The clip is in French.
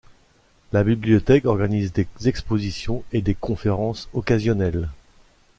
La bibliothèque organise des expositions et des conférences occasionnelles.